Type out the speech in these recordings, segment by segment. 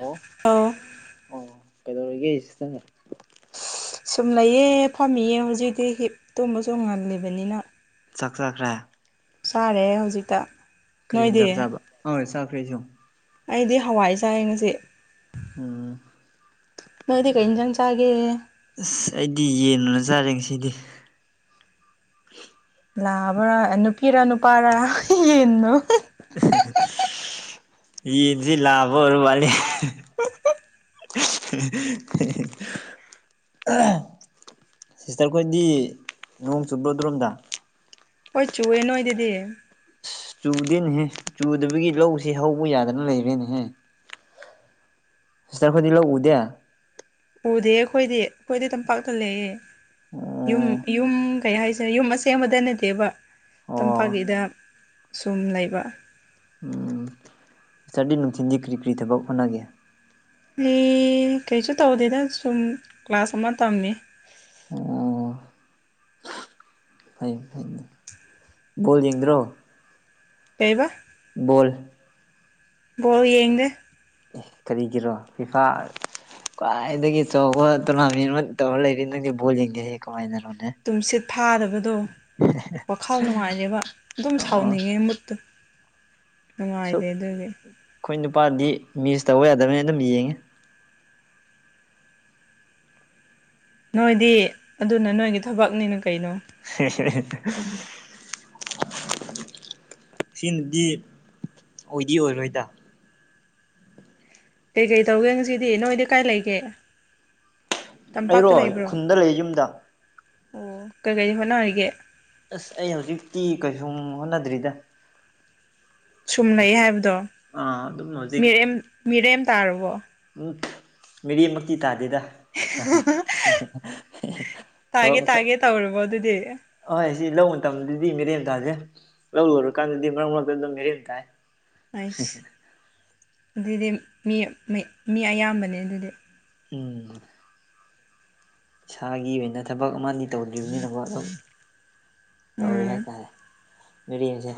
ꯑꯣ ꯑꯧ ꯑꯣ ꯀꯩꯗꯧꯔꯤꯒꯦ ꯁꯤꯁꯇꯔ ꯁꯨꯝ ꯂꯩꯌꯦ ꯐꯝꯃꯤꯌꯦ ꯍꯧꯖꯤꯛꯗꯤ ꯍꯤꯞ ꯇꯨꯝꯕꯁꯨ ꯉꯜꯂꯤꯕꯅꯤꯅ ꯆꯥꯛ ꯆꯥꯈ꯭ꯔꯦ ꯆꯥꯔꯦ ꯍꯧꯖꯤꯛꯇ ꯀꯔꯤ ꯅꯣꯏꯗꯤ ꯍꯦꯟꯖꯥꯡ ꯆꯥꯕ ꯍꯣꯏ ꯆꯥꯈ꯭ꯔꯦ ꯑꯩꯁꯨ ꯑꯩꯗꯤ ꯍꯋꯥꯏ ꯆꯥꯏꯌꯦ ꯉꯁꯤ ꯎꯝ ꯅꯪꯗꯤ ꯀꯩ ꯏꯟꯖꯥꯡ ꯆꯥꯒꯦ ꯑꯁ ꯑꯩꯗꯤ ꯌꯦꯟ [unintelligible] ꯆꯥꯔꯦ ꯉꯁꯤꯗꯤ ꯂꯥꯕ꯭ꯔꯥ ꯅꯨꯄꯤꯔꯥ ꯅꯨꯄꯥꯔꯥ ꯌꯦꯟꯗꯣ ꯌꯦꯟꯖꯤ ꯂꯥꯕ ꯑꯣꯏꯔ ꯃꯥꯜꯂ‌ꯦ [unintelligible] ꯁꯤꯁꯇꯔ ꯈꯣꯏꯗꯤ ꯅꯣꯡ ꯆꯨꯞꯕ꯭ꯔꯣ ꯑꯗꯨꯔꯣꯝꯗ ꯍꯣꯏ ꯆꯨꯑꯦ ꯅꯣꯏꯗꯗꯤ ꯆꯨꯗꯦꯅꯦꯍꯦ ꯆꯨꯗꯕꯒꯤ ꯂꯧꯁꯤ ꯍꯧꯕ ꯌꯥꯗꯅ ꯂꯩꯔꯦꯅꯦꯍꯦ ꯁꯤꯁꯇꯔ ꯈꯣꯏꯗꯤ ꯂꯧ ꯎꯗꯦ ꯎꯗꯦ ꯑꯩꯈꯣꯏꯗꯤ ꯑꯩꯈꯣꯏꯗꯤ ꯇꯝꯄꯥꯛꯇ ꯂꯩꯌꯦ ꯌꯨꯝ ꯑꯣ ꯌꯨꯝ ꯀꯩ ꯍꯥꯏꯁ ꯗ ꯌꯨꯝ ꯑꯁꯦꯡꯕꯗ ꯅꯠꯇꯦꯕ ꯑꯣ ꯇꯝꯄꯥꯛꯀꯤꯗ ꯁꯨꯝ ꯂꯩꯕ ꯎꯝ ꯁꯤꯁꯇꯔꯗꯤ ꯅꯨꯡꯊꯤꯟꯗꯤ ꯀ꯭ꯔꯤ ꯀ꯭ꯔꯤ ꯊꯕꯛ ꯍꯣꯠꯅꯒꯦ ꯑꯩ ꯀꯩꯁꯨ ꯇꯧꯗꯦꯗ ꯁꯨꯝ ꯀ꯭ꯂꯥꯁ ꯑꯃ ꯇꯝꯃꯤ ꯑꯣ ꯐꯩ ꯐꯩꯅꯦ ꯕꯣꯜ ꯌꯦꯡꯗ꯭ꯔꯣ ꯀꯩꯕ ꯕꯣꯜ ꯕꯣꯜ ꯌꯦꯡꯗꯦ ꯑꯦ ꯀꯔꯤꯒꯤꯔꯣ ꯐꯤꯐꯥ ꯈ꯭ꯋꯥꯏꯗꯒꯤ ꯑꯆꯧꯕ ꯇꯣꯔꯅꯥꯃꯦꯟ ꯑꯃ ꯇꯧꯔ ꯂꯩꯔꯤ ꯅꯪꯗꯤ ꯕꯣꯜ ꯌꯦꯡꯗꯦꯍ‌ꯦ ꯀꯃꯥꯏꯅ ꯇꯨꯝꯁꯤꯠ ꯐꯥꯗꯕꯗꯣ ꯋꯥꯈꯜ ꯅꯨꯡꯉꯥꯏꯗꯦꯕ ꯑꯗꯨꯝ ꯑꯣ ꯁꯥꯎꯅꯤꯡꯉꯦ ꯃꯨꯠꯇꯨ ꯅꯨꯡꯉꯥꯏꯇꯦ ꯁꯨꯛ ꯑꯗꯨꯒꯤ ꯑꯩꯈꯣꯏ ꯅꯨꯄꯥꯗꯤ ꯃꯤꯁ ꯇꯧꯕ ꯌꯥꯗꯕꯅꯤꯅ ꯑꯗꯨꯝ ꯌꯦꯡꯉꯦ ꯅꯣꯏꯗꯤ ꯑꯗꯨꯅ ꯅꯣꯏꯒꯤ ꯊꯕꯛꯅꯤꯅ ꯀꯩꯅꯣ [unintelligible] ꯁꯤꯅꯗꯤ ꯑꯣꯏꯗꯤ ꯑꯣꯏꯔꯣꯏꯗ ꯀꯩ ꯀꯩ ꯇꯧꯒꯦ ꯉꯁꯤꯗꯤ ꯅꯣꯏꯗꯤ ꯀꯥꯏ ꯂꯩꯒꯦ ꯇꯝꯄꯥꯛꯇ ꯑꯩꯔꯣ ꯂꯩꯕ꯭ꯔꯣ ꯈꯨꯟꯗ ꯂꯩ ꯌꯨꯝꯗ ꯑꯣ ꯀꯩ ꯀꯩ ꯍꯣꯠꯅꯔꯤꯒꯦ ꯑꯁ ꯑꯩ ꯍꯧꯖꯤꯛꯇꯤ ꯀꯩꯁꯨꯝ ꯍꯣꯠꯅꯗ꯭ꯔꯤꯗ ꯁꯨꯝ ꯂꯩ ꯍꯥꯏꯕꯗꯣ ꯑꯥ ꯑꯗꯨꯝ ꯍꯧꯖꯤꯛ ꯃꯤꯔꯦꯝ ꯃꯤꯔꯦꯝ ꯇꯥꯔꯕꯣ ꯎꯝ ꯃꯤꯔ‌ꯦꯝꯃꯛꯇꯤ ꯇꯥꯗꯦꯗ ꯊꯕꯛ ꯇꯥꯒꯦ ꯃꯆꯥ ꯇꯥꯒꯦ ꯇꯧꯔꯕꯣ ꯑꯗꯨꯗꯤ ꯍꯣꯏ ꯁꯤ ꯂꯧ ꯃꯇꯝꯗꯗꯤ ꯃꯤꯔꯦꯝ ꯇꯥꯥꯗ‌ꯦ ꯂꯧ ꯂꯣꯏꯔꯀꯥꯟꯗꯗꯤ ꯃꯔꯛ ꯃꯔꯛꯇ ꯑꯗꯨꯝ ꯃꯤꯔꯦꯝ ꯇꯥꯏ ꯑꯩꯁ ꯑꯗꯨꯗꯤ ꯃꯤ ꯃꯤ ꯃꯤ ꯑꯌꯥꯝꯕꯅꯦ ꯑꯗꯨꯗꯤ ꯎꯝ ꯏꯁꯥꯒꯤ ꯑꯣꯏꯅ ꯊꯕꯛ ꯑꯃꯅꯤ ꯇꯧꯗ꯭ꯔꯤꯕꯅꯤꯅꯀ‌ꯣ ꯑꯗꯨꯝ ꯇꯧꯔꯤ ꯎꯝ ꯍꯥꯏꯇꯥꯔꯦ ꯃꯤꯔꯦꯝꯁ‌ꯦ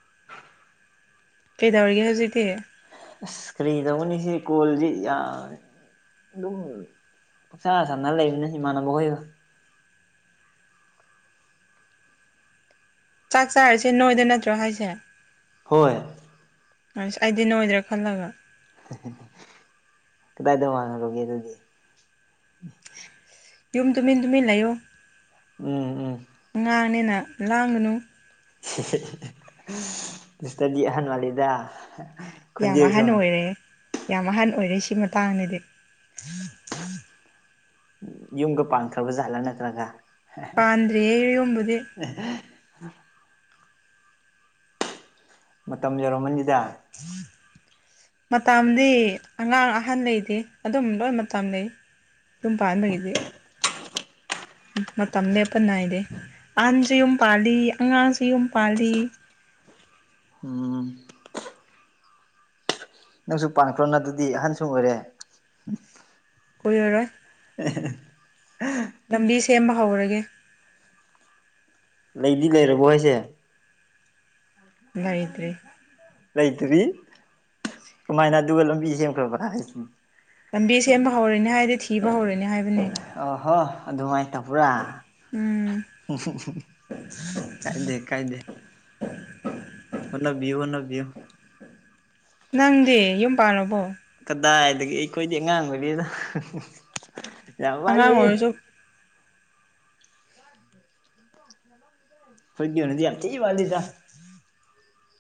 [inaudible] ꯀꯩꯗꯧꯔꯤ ꯍꯧꯖꯤꯛꯇꯤ ꯑꯁ ꯀꯔꯤ ꯇꯧꯒꯅꯤ ꯁꯤ ꯀ‌ꯣꯜꯖꯤ ꯌꯥꯏ ꯗꯨꯝ ꯄꯨꯛꯁꯥ ꯁꯥꯟꯅꯔ ꯂꯩꯕꯅꯦ ꯏꯃꯥꯟꯅꯕ ꯍꯣꯏꯒ ꯆꯥꯛ ꯆꯥꯔꯁꯦ ꯅꯣꯏꯗ ꯅꯠꯇ꯭ꯔꯣ ꯍꯥꯏꯁꯦ ꯍꯣꯏ ꯑꯁ ꯑꯩꯗꯤ ꯅꯣꯏꯗ꯭ꯔꯥ ꯈꯜꯂꯒ ꯀꯗꯥꯏꯗ [unintelligible] ꯑꯗꯨꯗꯤ [inaudible] ꯌꯨꯝ ꯇꯨꯃꯤꯟ ꯇꯨꯃꯤꯟ ꯂꯩꯌꯣ ꯎꯝ ꯎꯝ ꯑꯉꯥꯡꯅꯤꯅ ꯂꯥꯡꯒꯅꯨ ꯁꯤꯁꯇ꯭ꯔꯗꯤ ꯑꯍꯟ ꯃꯥꯜꯂꯤꯗ ꯌꯥꯝ ꯈꯣꯟꯖꯦꯜꯁꯨ ꯑꯍꯟ ꯑꯣꯏꯔꯦ ꯌꯥꯝ ꯑꯍꯟ ꯑꯣꯏꯔꯦ ꯁꯤ ꯃꯇꯥꯡꯗꯗꯤ ꯌꯨꯝꯒ ꯄꯥꯟꯈ꯭ꯔꯕ ꯖꯥꯠꯂꯥ ꯅꯠꯇ꯭ꯔꯒ ꯄꯥꯟꯗ꯭ꯔꯤꯌꯦ ꯌꯨꯝꯕꯨꯗꯤ ꯃꯇꯝ ꯌꯧꯔꯝꯃꯅꯤꯗ [unintelligible] ꯃꯇꯝꯗꯤ ꯑꯉꯥꯡ ꯑꯍꯟ ꯂꯩꯇꯦ ꯑꯗꯨꯝ ꯂꯣꯏ ꯃꯇꯝ ꯂꯩ ꯌꯨꯝ ꯄꯥꯟꯕꯒꯤꯗꯤ ꯃꯇꯝ ꯂꯦꯞꯄ ꯅꯥꯏꯗꯦ ꯑꯍꯟꯖꯨ ꯌꯨꯝ ꯄꯥꯜꯂꯤ ꯑꯉꯥꯡꯁꯨ ꯌꯨꯝ ꯄꯥꯜꯂꯤ ꯎꯝ ꯅꯪꯁꯨ ꯄꯥꯟꯈ꯭ꯔꯣ ꯅꯥꯠꯇꯔ꯭ꯗꯤ ꯑꯍꯟꯁꯨ ꯑꯣꯏꯔꯦ ꯀꯨꯏꯔꯔꯣꯏ [unintelligible] ꯂꯝꯕꯤ ꯁꯦꯝꯕ ꯍꯧꯔꯒꯦ ꯂꯩꯗꯤ ꯂꯩꯔꯕꯣ ꯍꯥꯏꯁꯦ ꯂꯩꯇ꯭ꯔꯤ ꯂꯩꯇꯔꯤ ꯀꯃꯥꯏꯅ ꯑꯗꯨꯒ ꯂꯝꯕꯤ ꯁꯦꯝꯈ꯭ꯔꯕ꯭ꯔꯥ ꯍꯥꯏꯁꯤ ꯂꯝꯕꯤ ꯁꯦꯝꯕ ꯍꯧꯔꯅꯤ ꯍꯥꯏꯗꯤ ꯊꯤꯕ ꯍꯧꯔꯅꯤ ꯍꯥꯏꯕꯅꯦ ꯑꯥꯍꯣ ꯑꯗꯨꯃꯥꯏꯅ ꯇꯧꯕ꯭ꯔꯥ ꯎꯝ ꯎꯝ ꯀꯥꯏꯗꯦ ꯀꯥꯏꯗꯦ [inaudible] ꯍꯣꯠꯅꯕꯤꯌꯨ ꯍꯣꯠꯅꯕꯤꯌꯨ ꯅꯪꯗꯤ ꯌꯨꯝ ꯄꯥꯜꯂꯕꯣ ꯀꯗꯥꯏꯗꯒꯤ ꯑꯩꯈꯣꯏꯗꯤ ꯑꯉꯥꯡ ꯑꯣꯏꯔꯤꯗ ꯌꯥꯝ ꯑꯉꯥꯡ ꯋꯥꯠꯂꯤ ꯑꯣꯏꯔꯁꯨ ꯑꯩꯈꯣꯏꯒꯤ ꯑꯣꯏꯅꯗꯤ ꯌꯥꯝ ꯊꯤ ꯋꯥꯠꯂꯤꯗ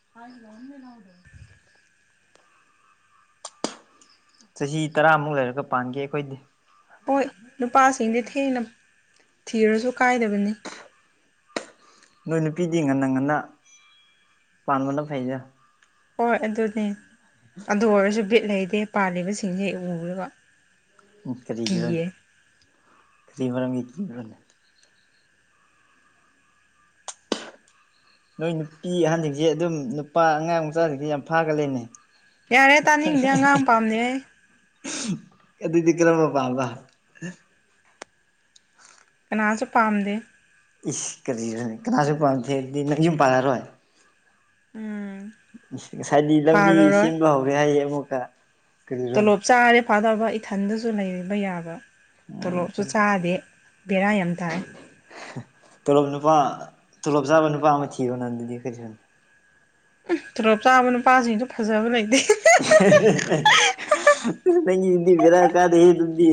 [unintelligible] ꯆꯥꯍꯤ ꯇꯔꯥꯃꯨꯛ ꯂꯩꯔꯒ ꯄꯥꯟꯒꯦ ꯑꯩꯈꯣꯏꯗꯤ ꯍꯣꯏ ꯅꯨꯄꯥꯁꯤꯡꯗꯤ ꯊꯦꯡꯅ ꯊꯤꯔꯁꯨ ꯀꯥꯏꯗꯕꯅꯤ ꯅꯣꯏ ꯅꯨꯄꯤꯗꯤ ꯉꯟꯅ ꯉꯟꯅ ꯄꯥꯟꯕꯅ ꯐꯩꯗ ꯍꯣꯏ ꯑꯗꯨꯅꯦ ꯑꯗꯨ ꯑꯣꯏꯔꯁꯨ ꯕꯤꯠ ꯂꯩꯇꯦ ꯄꯥꯜꯂꯤꯕꯁꯤꯡꯁꯦ ꯎꯔꯒ ꯀꯔꯤꯒꯤꯔꯅꯦ ꯀꯤꯌꯦ ꯀꯔꯤ ꯃꯔꯝꯒꯤ ꯀꯤꯕ꯭ꯔꯥꯅꯦ ꯅꯣꯏ ꯅꯨꯄꯤ ꯑꯍꯟꯁꯤꯡꯁꯦ ꯑꯗꯨꯝ ꯅꯨꯄꯥ ꯑꯉꯥꯡ ꯃꯆꯥꯁꯤꯡꯁꯦ ꯌꯥꯝ ꯐꯥꯒꯜꯂꯦꯅꯦ ꯌꯥꯔꯦ ꯇꯥꯅꯤꯡꯗꯦ ꯑꯉꯥꯡ ꯄꯥꯝꯗꯦ ꯑꯩ ꯑꯗꯨꯗꯤ ꯀꯔꯝꯕ ꯄꯥꯝꯕ ꯀꯅꯥꯁꯨ ꯄꯥꯝꯗꯦ ꯏꯁ ꯀꯔꯤꯔꯅꯦ ꯀꯅꯥꯁꯨ ꯄꯥꯝꯗꯦ ꯍꯥꯔꯗꯤ ꯅꯪ ꯌꯨꯝ ꯄꯥꯜꯂꯔꯣꯏ ꯎꯝ ꯏꯁ ꯉꯁꯥꯏꯗꯤ ꯂꯝꯕꯤ ꯄꯥꯜꯂꯔꯣꯏ ꯁꯦꯝꯕ ꯍꯧꯔꯦ ꯍꯥꯏꯌꯦ ꯑꯃꯨꯛꯀ ꯀꯔꯤꯔꯣꯅꯦ ꯇꯣꯂꯣꯞ ꯆꯥꯔꯗꯤ ꯐꯥꯗꯕ ꯏꯊꯟꯗꯁꯨ ꯂꯩꯕ ꯌꯥꯕ ꯎꯝ ꯇꯣꯂꯣꯞꯁꯨ ꯆꯥꯗꯦ ꯕꯦꯔꯥ ꯌꯥꯝ ꯇꯥꯏ ꯇꯣꯂꯣꯞ ꯅꯨꯄꯥ ꯇꯣꯂꯣꯞ ꯆꯥꯕ ꯅꯨꯄꯥ ꯑꯃ ꯊꯤꯔꯣꯅ ꯑꯗꯨꯗꯤ ꯀꯔꯤ ꯎꯝ ꯇꯣꯂꯣꯞ ꯆꯥꯕ ꯅꯨꯄꯥꯁꯤꯡꯁꯨ ꯐꯖꯕ ꯂꯩꯇꯦ ꯅꯪꯒꯤꯗꯨꯗꯤ ꯕꯦꯔꯥ ꯀꯥꯗꯦꯍꯦ ꯑꯗꯨꯗꯤ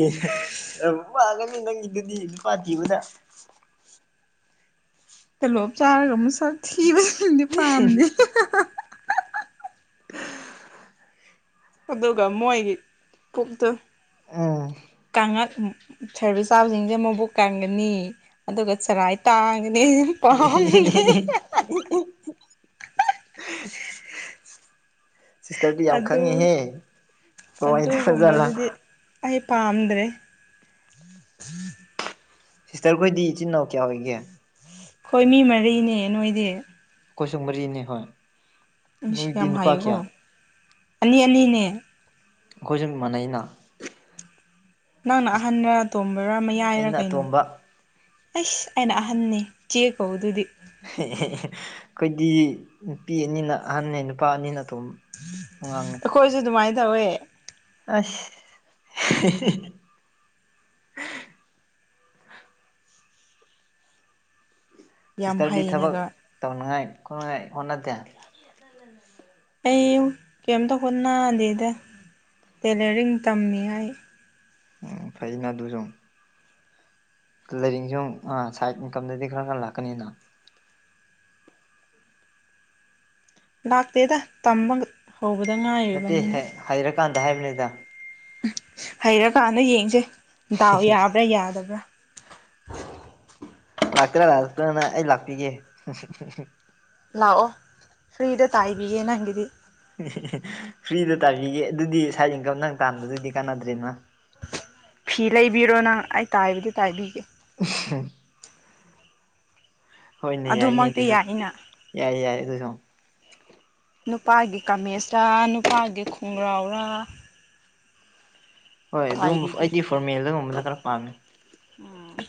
ꯌꯥꯝ ꯋꯥꯒꯅꯤ ꯅꯪꯒꯤꯗꯨꯗꯤ ꯅꯨꯄꯥ ꯊꯤꯕꯗ ꯇꯣꯂꯣꯞ ꯆꯥꯔꯒ ꯃꯁꯛ ꯊꯤꯕꯗꯨꯗꯤ ꯄꯥꯝꯗꯦ [inaudible] ꯑꯗꯨꯒ ꯃꯣꯏꯒꯤ ꯄꯨꯛꯇꯨ ꯎꯝ ꯀꯪꯉꯛ ꯁꯔꯕꯤꯁ ꯆꯥꯕꯁꯤꯡꯁꯦ ꯃꯕꯨꯛ ꯀꯪꯒꯅꯤ ꯑꯗꯨꯒ ꯆꯔꯥꯏ ꯇꯥꯡꯒꯅꯤ [unintelligible] ꯄꯥꯝꯗꯦ [unintelligible] ꯁꯤꯁꯇꯔꯗꯤ ꯌꯥꯝ ꯑꯗꯨ ꯈꯪꯉꯤꯍꯦ ꯀꯃꯥꯏ ꯇꯧꯕ ꯖꯥꯠꯂꯥ ꯑꯗꯨꯒꯨꯝꯕꯗꯨꯗꯤ ꯑꯩ ꯄꯥꯝꯗ꯭ꯔꯦ ꯁꯤꯁꯇꯔꯈꯣꯏꯗꯤ ꯏꯆꯤꯟ ꯏꯅꯥꯎ ꯀꯌꯥ ꯑꯣꯏꯒꯦ ꯈꯣꯏ ꯃꯤ ꯃꯔꯤꯅꯦ ꯅꯣꯏꯗꯤ ꯈꯣꯏꯁꯨ ꯃꯔꯤꯅꯤ ꯍꯣꯏ ꯏꯁ ꯅꯣꯏꯗꯤ ꯌꯥꯝ ꯅꯨꯄꯥ ꯍꯥꯏꯌꯦꯀꯣ ꯀꯌꯥ ꯑꯅꯤ ꯑꯅꯤꯅꯦ ꯑꯩꯈꯣꯏꯁꯨ ꯃꯥꯟꯅꯩꯩꯅ ꯅꯪꯅ ꯑꯍꯟꯔꯥ ꯑꯇꯣꯝꯕꯔꯥ ꯃꯌꯥꯏꯔꯥ ꯑꯩꯅ ꯀꯩꯅꯣ ꯑꯇꯣꯝꯕ ꯑꯩꯁ ꯑꯩꯅ ꯑꯍꯟꯅꯤ ꯆꯦ ꯀꯧ ꯑꯗꯨꯗꯤ ꯑꯩꯈꯣꯏꯗꯤ ꯅꯨꯄꯤ ꯑꯅꯤꯅ ꯑꯍꯟꯅꯦ ꯅꯨꯄꯥ ꯑꯅꯤꯅ ꯑꯇꯣꯝ ꯑꯉꯥꯡꯅꯦ ꯈꯣꯏꯁꯨ ꯑꯗꯨꯃꯥꯏ ꯇꯧꯋꯦ ꯑꯁ [unintelligible] ꯌꯥꯝ ꯁꯤꯁꯇꯔꯗꯤ ꯊꯕꯛ ꯍꯩꯅꯒ ꯇꯧꯅꯉꯥꯏ ꯈꯣꯠꯅꯉꯥꯏ ꯍꯣꯠꯅꯗꯦ ꯑꯩ ꯀꯩꯝꯇꯥ ꯍꯣꯠꯅꯗꯦꯗ ꯇꯦꯂꯔꯤꯡ ꯇꯝꯃꯤ ꯑꯩ ꯎꯝ ꯐꯩꯅ ꯑꯗꯨꯁꯨ ꯂꯩꯔꯤꯡꯖꯦ [unintelligible] ꯑꯥ ꯁꯥꯏꯠ ꯏꯟꯀꯝꯗꯩꯗꯤ ꯈꯔ ꯉꯟꯅꯥ ꯂꯥꯛꯀꯅꯤꯗ ꯂꯥꯛꯇꯦꯗ ꯇꯃꯕ ꯍꯧꯕꯗ ꯉꯥꯏ ꯅꯠꯇꯦ ꯍꯩ ꯍꯩꯔꯀꯥꯟꯗ ꯍꯥꯏꯕꯅꯤꯗ ꯍꯩꯔꯀꯥꯟꯗ ꯌꯦꯡꯁꯦ ꯗꯥꯎ ꯌꯥꯕ꯭ꯔꯥ ꯌꯥꯗꯕ꯭ꯔꯥ ꯂꯥꯛꯇ꯭ꯔꯥ ꯂꯥꯛꯇ꯭ꯔꯅ ꯑꯩ ꯂꯥꯛꯄꯤꯒꯦ ꯂꯥꯛꯑꯣ ꯐ꯭ꯔꯤꯗ ꯇꯥꯏꯕꯤꯒꯦ ꯅꯪꯒꯤꯗꯤ ꯐ꯭ꯔꯤꯗ ꯇꯥꯟꯕꯤꯒꯦ ꯑꯗꯨꯗꯤ ꯁ꯭ꯥꯏꯗ ꯏꯪꯀꯝ ꯅꯪ ꯇꯥꯟꯕꯗꯨꯗꯤ ꯀꯥꯟꯅꯗ꯭ꯔꯦꯅ ꯐꯤ ꯂꯩꯕꯤꯔꯣ ꯅꯪ ꯑꯩ ꯇꯥꯏꯕꯗꯤ ꯇꯥꯏꯕꯤꯒꯦ [unintelligible] ꯍꯣꯏꯅꯦ ꯌꯥꯏꯅꯦ ꯑꯗꯨꯃꯛꯇꯤ ꯑꯗꯨꯁꯨ ꯌꯥꯏꯅ ꯌꯥꯏ ꯌꯥꯏ ꯑꯗꯨꯁꯨ ꯅꯨꯄꯥꯒꯤ ꯀꯥꯃꯦꯁꯂꯥ ꯅꯨꯄꯥꯒꯤ ꯈꯣꯡꯒ꯭ꯔꯥꯎꯔꯥ ꯍꯣꯏ ꯑꯗꯨꯒꯨꯝꯕ ꯇꯥꯏꯕꯤꯒꯦ ꯑꯩꯗꯤ ꯐꯣꯔꯃꯦꯜꯗꯒꯨꯝꯕꯗ ꯈꯔ ꯄꯥꯝꯃꯦ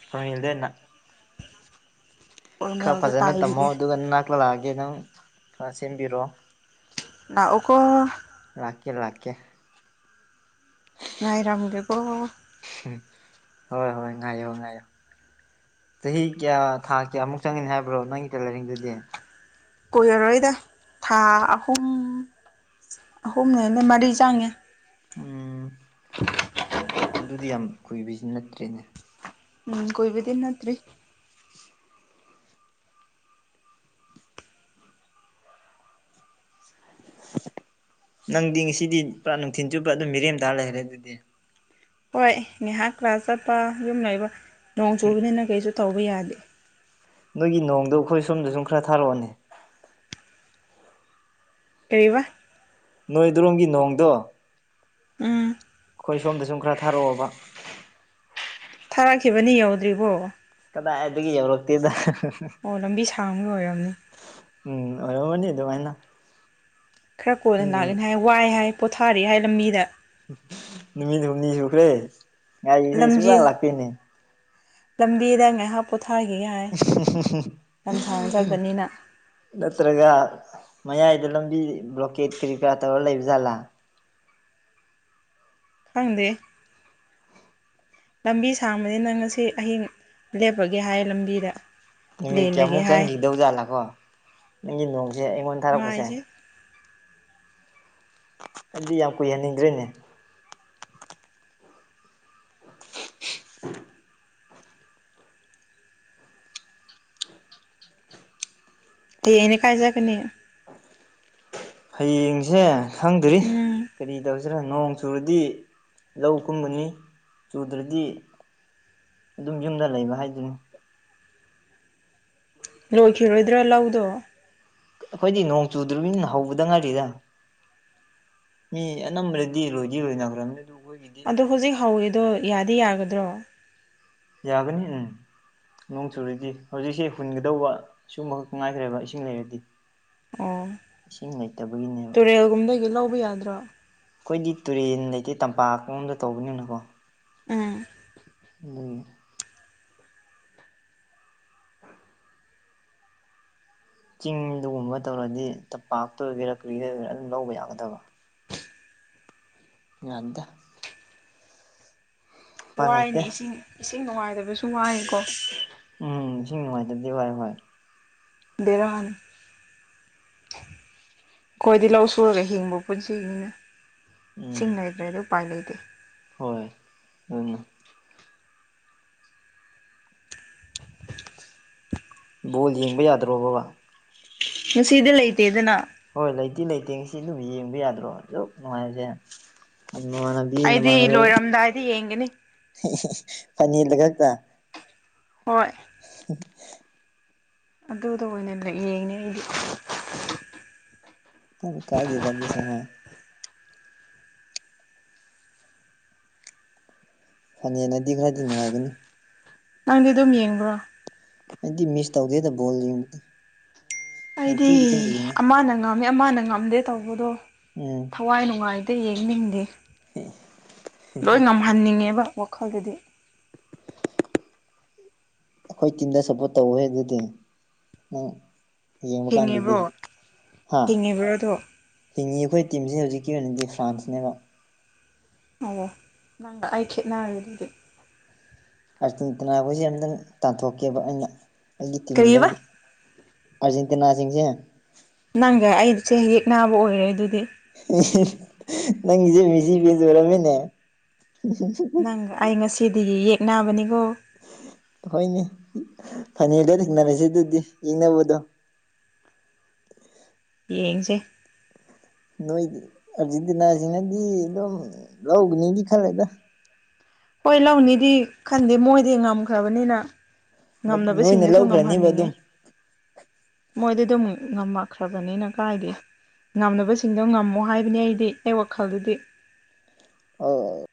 ꯐꯣꯔꯃꯦꯜꯗ ꯑꯣꯏꯅ ꯈꯔ ꯐꯣꯔꯃꯦꯜꯗ ꯐꯖꯅ ꯇꯝꯃꯣ ꯇꯥꯏꯕꯤꯒꯦ ꯑꯗꯨꯒ ꯅꯅꯥꯛꯇꯥ ꯂꯥꯛꯑꯒꯦ ꯅꯪ ꯈꯔ ꯁꯦꯝꯕꯤꯔꯣ ꯂꯥꯛꯎꯀꯣ ꯂꯥꯛꯀꯦ ꯂꯥꯛꯀꯦ ꯉꯥꯏꯔꯝꯒꯦꯀꯣ ꯍꯣꯏ ꯍꯣꯏ ꯉꯥꯏꯌꯣ ꯉꯥꯏꯌꯣ ꯆꯍꯤ ꯀꯌꯥ ꯊꯥ ꯀꯌꯥꯃꯨꯛ ꯆꯪꯒꯅꯤ ꯍꯥꯏꯕ꯭ꯔꯣ ꯅꯪꯒꯤ ꯇꯦꯂꯔꯤꯡꯗꯨꯗꯤ ꯀꯨꯏꯔꯔꯣꯏꯗ ꯊꯥ ꯑꯍꯨꯝ ꯑꯍꯨꯝꯅ ꯍꯦꯟꯅ ꯃꯔꯤ ꯆꯪꯉꯦ ꯎꯝ [inaudible] ꯑꯗꯨꯗꯤ ꯌꯥꯝ ꯀꯨꯏꯕꯤꯁꯨ ꯅꯠꯇ꯭ꯔꯤꯅꯦ ꯎꯝ ꯀꯣꯏꯕꯨꯗꯤ ꯅꯠꯇ꯭ꯔꯤ ꯅꯪꯗꯤ ꯉꯁꯤꯗꯤ ꯄꯨꯔꯥ ꯅꯨꯡꯊꯤꯟ ꯆꯨꯞꯄ ꯑꯗꯨꯝ ꯃꯤꯔꯦꯝ ꯇꯔ ꯂꯩꯔꯦ ꯑꯗꯨꯗꯤ ꯍꯣꯏ ꯉꯥꯏꯍꯥꯛ ꯀ꯭ꯂꯥꯁ ꯆꯠꯄ ꯌꯨꯝ ꯂꯩꯕ ꯅꯣꯡ ꯆꯨꯕꯅꯤꯅ ꯀꯩꯁꯨ ꯇꯧꯕ ꯌꯥꯗꯦ ꯅꯣꯏꯒꯤ ꯅꯣꯡꯗꯣ ꯑꯩꯈꯣꯏ ꯁꯣꯝꯗ ꯁꯨꯝ ꯈꯔ ꯊꯥꯔꯛꯑꯣꯅꯦ ꯀꯩꯕ ꯅꯣꯏꯗꯨꯔꯣꯝꯒꯤ ꯅꯣꯡꯗꯣ ꯎꯝ ꯈꯣꯏ ꯁꯣꯝꯗꯁꯨ ꯑꯃꯨꯛ ꯈꯔ ꯊꯥꯔꯛꯑꯣꯕ ꯊꯥꯔꯛꯈꯤꯕꯅꯤ ꯌꯧꯗ꯭ꯔꯤꯕꯣ ꯀꯗꯥꯏꯗꯒꯤ ꯌꯧꯔꯛꯇꯦꯗ ꯑꯣ ꯂꯝꯕꯤ ꯁꯥꯡꯃ ꯑꯣꯏꯔꯝꯅꯤ ꯎꯝ ꯑꯣꯔꯝꯃꯅꯤ ꯑꯗꯨꯃꯥꯏꯅ ꯈꯔ ꯀꯣꯟꯅ ꯎꯝ ꯂꯥꯛꯒꯅꯤ ꯍꯥꯏ ꯋꯥꯏ ꯍꯥꯏ ꯄꯣꯊꯥꯔꯤ ꯍꯥꯏ ꯂꯝꯕꯤꯗ ꯅꯨꯃꯤꯠ ꯍꯨꯝꯅꯤ ꯁꯨꯈ꯭ꯔꯦ ꯉꯥꯏꯔꯤꯁꯦ ꯁꯨ ꯂꯝꯖꯤ ꯂꯥꯛ ꯂꯥꯛꯇꯦꯅꯦ ꯂꯝꯕꯤꯗ ꯉꯥꯏꯍꯥꯛ ꯄꯣꯊꯥꯒꯤꯒꯦ ꯍꯥꯏ ꯂꯝꯁꯥꯡ ꯆꯠꯄꯅꯤꯅ ꯅꯠꯇ꯭ꯔꯒ ꯃꯌꯥꯏꯗ ꯂꯝꯕꯤ ꯕ꯭ꯂꯣꯀꯦꯠ ꯀꯔꯤ ꯀꯔꯥ ꯇꯧꯔ ꯂꯩꯕ ꯖꯥꯠꯂꯥ ꯈꯪꯗꯦ ꯂꯝꯕꯤ ꯁꯥꯡꯕꯅꯤꯅꯪ ꯉꯁꯤ ꯑꯍꯤꯡ ꯂꯦꯞꯄꯒꯦ ꯍꯥꯏ ꯂꯝꯕꯤꯗ ꯅꯨꯃꯤꯠ ꯂꯦꯜꯂꯒꯦ ꯀꯌꯥꯃꯨꯛ ꯍꯥꯏ ꯆꯪꯒꯤꯗꯧ ꯖꯥꯠꯂꯥꯀꯣ ꯅꯪꯒꯤ ꯅꯣꯡꯁꯦ ꯑꯩꯉꯣꯟꯗ ꯊꯥꯔꯛꯄꯁꯦ ꯉꯥꯏꯁꯦ ꯑꯩꯗꯤ ꯌꯥꯝ ꯀꯨꯏꯍꯟꯅꯤꯡꯗ꯭ꯔꯦꯅꯦ [inaudible] ꯍꯌꯦꯡꯗꯤ ꯀꯥꯏ ꯆꯠꯀꯅꯤ ꯍꯌꯦꯡꯖꯦ ꯈꯪꯗ꯭ꯔꯤ ꯎꯝ ꯀꯔꯤ ꯇꯧꯁꯤꯔ ꯅꯣꯡ ꯆꯨꯔꯗꯤ ꯂꯧ ꯀꯨꯝꯒꯅꯤ ꯆꯨꯗ꯭ꯔꯗꯤ ꯑꯗꯨꯝ ꯌꯨꯝꯗ ꯂꯩꯕ ꯍꯥꯏꯗꯨꯅꯤ ꯂꯣꯏꯈꯤꯔꯣꯏꯗ꯭ꯔꯥ ꯂꯧꯗꯣ ꯑꯈꯣꯏꯗꯤ ꯅꯣꯡ ꯆꯨꯗ꯭ꯔꯃꯤꯅ ꯍꯧꯕꯗ ꯉꯥꯢꯔꯤꯗ ꯃꯤ ꯑꯅꯝꯕꯅꯗꯤ ꯂꯣꯏꯗꯤ ꯂꯣꯏꯅꯒ꯭ꯔꯝꯅꯤ ꯑꯗꯨ ꯈꯣꯏꯒꯤ ꯑꯗꯨ ꯍꯨꯖꯤꯛ ꯍꯧꯔꯤꯗꯣ ꯌꯥꯗꯤ ꯌꯥꯒꯗ꯭ꯔꯣ ꯌꯥꯒꯅꯤ ꯎꯝ ꯅꯣꯡ ꯆꯨꯔꯗꯤ ꯍꯧꯖꯤꯛꯁꯦ ꯍꯨꯟꯒꯗꯧꯕ ꯁꯨꯒꯨꯝꯕꯈꯛ ꯉꯥꯏꯈ꯭ꯔꯦꯕ ꯏꯁꯤꯡ ꯂꯩꯔꯗꯤ ꯑꯣ ꯏꯁꯤꯡ ꯂꯩꯇꯕꯒꯤꯅꯦꯕ ꯇꯨꯔꯦꯜꯒꯨꯝꯗꯒꯤ ꯂꯧꯕ ꯌꯥꯗ꯭ꯔꯣ ꯈꯣꯏꯗꯤ ꯇꯨꯔꯦꯟ ꯂꯩꯇꯦ ꯇꯝꯄꯥꯛꯑꯣꯝꯗ ꯇꯧꯕꯅꯤꯅꯀꯣ ꯑꯥ ꯎꯝ ꯆꯤꯡꯗꯒꯨꯝꯕ ꯇꯧꯔꯗꯤ ꯇꯝꯄꯥꯛꯇ ꯑꯣꯏꯒꯦꯔꯥ ꯀꯔꯤꯗ ꯑꯣꯏꯒꯦꯔꯥ ꯑꯗꯨꯝ ꯂꯧꯕ ꯌꯥꯒꯗꯕ ꯌꯥꯗꯦ ꯎꯄꯥꯏ ꯋꯥꯏꯅꯦ ꯂꯩꯇꯦ ꯏꯁꯤꯡ ꯏꯁꯤꯡ ꯅꯨꯡꯉꯥꯏꯇꯕꯁꯨ ꯋꯥꯏꯀꯣ ꯎꯝ ꯏꯁꯤꯡ ꯅꯨꯡꯉꯥꯏꯇꯕꯖꯦ ꯋꯥꯏ ꯍꯣꯏ ꯕꯦꯔꯥꯅꯤ ꯈꯣꯏꯗꯤ ꯂꯧ ꯁꯨꯔꯒ ꯍꯤꯡꯕ ꯄꯨꯟꯁꯤꯅꯤꯅ ꯁꯤꯡ ꯎꯝ ꯂꯩꯇ꯭ꯔꯗꯤ ꯎꯄꯥꯏ ꯂꯩꯇꯦ ꯍꯣꯏ ꯑꯗꯨꯅ ꯕꯣꯜ ꯌꯦꯡꯕ ꯌꯥꯗ꯭ꯔꯣ ꯕꯣꯕꯥ ꯉꯁꯤꯗꯤ ꯂꯩꯇꯦꯗꯅ ꯍꯣꯏ ꯂꯩꯗꯤ ꯂꯩꯇꯦ ꯉꯁꯤ ꯑꯗꯨꯝ ꯌꯦꯡꯕ ꯌꯥꯗ꯭ꯔꯣ ꯑꯗꯨ ꯅꯨꯡꯉꯥꯏꯔꯁꯦ ꯅꯃꯥꯅꯕꯤ ꯃꯤ ꯑꯩꯗꯤ ꯅꯃꯥꯟꯅꯕ ꯂꯣꯏꯔꯝꯗꯥꯏꯗ ꯌꯦꯡꯒꯅꯤ ꯐꯅꯦꯜꯗ ꯈꯛꯇ ꯍꯣꯏ [unintelligible] ꯑꯗꯨꯗ ꯑꯣꯏꯅ ꯌꯦꯡꯅꯦ ꯑꯩꯗꯤ ꯑꯝ ꯀꯥꯏꯗꯦꯗ ꯑꯗꯨꯁꯨꯒꫭ ꯐꯥꯢꯅꯦꯜꯅꯗꯤ ꯈꯔꯥꯗꯤ ꯅꯨꯡꯉꯥꯏꯒꯅꯤ ꯅꯪꯗꯤ ꯑꯗꯨꯝ ꯌꯦꯡꯕ꯭ꯔꯣ ꯑꯩꯗꯤ ꯃꯤꯁ ꯇꯧꯗꯦꯗ ꯕꯣꯜ ꯌꯦꯡꯕꯗꯤ ꯑꯩꯗꯤ ꯅꯨꯡꯇꯤꯒꯤ ꯑꯗꯨꯝ ꯌꯦꯡꯉꯦ ꯑꯃꯅ ꯉꯝꯃꯦ ꯑꯃꯅ ꯉꯝꯗꯦ ꯇꯧꯕꯗꯣ ꯎꯝ ꯊꯋꯥꯏ ꯅꯨꯡꯉꯥꯏꯇꯦ ꯌꯦꯡꯅꯤꯡꯗꯦ ꯂꯣꯏ ꯉꯝꯍꯟꯅꯤꯡꯉꯦꯕ ꯋꯥꯈꯜꯗꯗꯤ [inaudible] ꯑꯈꯣꯏ ꯇꯤꯝꯗ ꯁꯞꯄꯣꯔꯠ ꯇꯧꯋꫭꯍꯦ ꯑꯗꯨꯗꯤ ꯅꯪ ꯌꯦꯡꯕꯀꯥꯟꯗꯗꯤ ꯍꯤꯡꯉꯤꯕ꯭ꯔꯣ ꯍꯥꯥ ꯍꯤꯡꯉꯤꯕ꯭ꯔꯣꯗꯣ ꯍꯤꯡꯉꯤ ꯑꯈꯣꯏ ꯇꯤꯝꯁꯦ ꯍꯧꯖꯤꯛꯀꯤ ꯑꯣꯏꯅꯗꯤ ꯐ꯭ꯔꯥꯟꯁꯅꯦꯕ ꯑꯣ ꯅꯪꯒ ꯑꯩ ꯈꯦꯠꯅꯔꯦ ꯑꯗꯨꯗꯤ ꯑꯥꯔꯖꯦꯟꯇꯤꯅꯥ ꯈꯣꯏꯁꯦ ꯑꯝꯇꯪ ꯇꯥꯟꯊꯣꯛꯀꯦꯕ ꯑꯩꯅ ꯑꯩꯒꯤ ꯀꯔꯤꯕ ꯇꯤꯝꯗꯒꯤ ꯑꯔꯖꯦꯟꯇꯤꯅꯥꯁꯤꯡꯁꯦ ꯅꯪꯒ ꯑꯩꯒꯁꯦ ꯌꯦꯛꯅꯥꯕ ꯑꯣꯏꯔꯦ ꯑꯗꯨꯗꯤ ꯅꯪꯒꯤꯁꯦ ꯃꯤꯁꯤ ꯐꯦꯟꯁ ꯑꯣꯏꯔꯝꯃꯤꯅꯦ ꯅꯪꯒ ꯑꯩ ꯉꯁꯤꯗꯒꯤ ꯌꯦꯛꯅꯕꯅꯤꯀꯣ ꯍꯣꯏꯅꯦ ꯐꯥꯢꯅꯦꯜꯗ ꯊꯦꯡꯅꯔꯁꯤ ꯑꯗꯨꯗꯤ ꯌꯦꯛꯅꯕꯗꯣ ꯌꯦꯡꯁꯦ ꯅꯣꯏꯗꯤ ꯑꯥꯔꯖꯦꯟꯇꯤꯅꯥꯁꯤꯅꯗꯤ ꯑꯗꯨꯝ ꯂꯧꯒꯅꯤꯗꯤ ꯈꯜꯂꯦꯗ ꯍꯣꯏ ꯂꯧꯅꯤꯗꯤ ꯈꯟꯗꯦ ꯃꯣꯏꯗꯤ ꯉꯝꯈ꯭ꯔꯕꯅꯤꯅ ꯅꯣꯏꯅ ꯉꯝꯗꯕꯁꯤꯡꯗꯨꯁꯨ ꯂꯧꯈ꯭ꯔꯅꯤꯕ ꯉꯝꯍꯟꯅꯤꯡꯉꯦ ꯑꯗꯨꯝ ꯃꯣꯏꯗꯤ ꯑꯗꯨꯝ ꯉꯝꯃꯛꯈ꯭ꯔꯕꯅꯤꯅ ꯀꯥꯏꯗꯦ ꯉꯝꯗꯕꯁꯤꯡꯗꯣ ꯉꯝꯃꯣ ꯍꯥꯏꯕꯅꯤ ꯑꯩꯗꯤ ꯑꯩ ꯋꯥꯈꯜꯗꯗꯤ꯫ ꯑꯧ ꯑꯧ